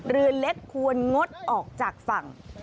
เรือเล็กควรงดออกจากฝั่ง